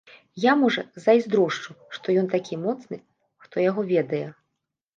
Я, можа, зайздрошчу, што ён такі моцны, хто яго ведае.